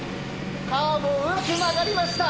カーブをうまく曲がりました。